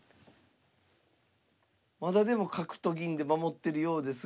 まだでも角と銀で守ってるようですが。